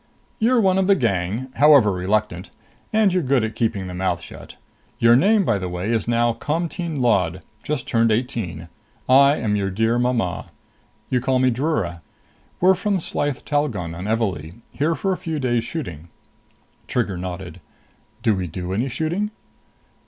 "You're one of the gang, however reluctant. And you're good at keeping the mouth shut. Your name, by the way, is now Comteen Lod, just turned eighteen. I am your dear mama. You call me Drura. We're from Slyth Talgon on Evalee, here for a few days shooting." Trigger nodded. "Do we do any shooting?"